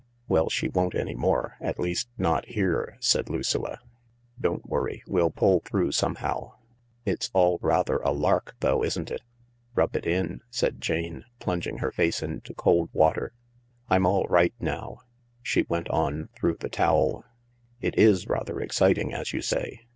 "Well, she won't any more — at least, not here," said Lucilla. "Don't worry; we'll pull through somehow. It's all rather a lark though, isn't it ?"" Rub it in," said Jane, plunging her face into cold water. " I'm all right now," she went on through the towel. " It is rather exciting, as you say."